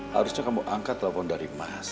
harusnya kamu angkat telepon dari mas